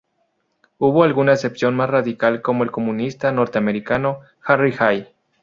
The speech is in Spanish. Hubo alguna excepción más radical como el comunista norteamericano Harry Hay.